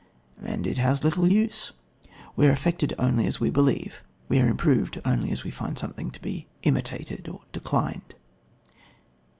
And it has little use; we are affected only as we believe; we are improved only as we find something to be imitated or declined."